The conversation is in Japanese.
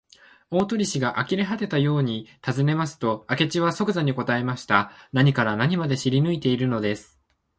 大鳥氏があきれはてたようにたずねますと、明智はそくざに答えました。何から何まで知りぬいているのです。